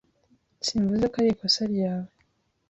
Simvuze ko arikosa ryawe.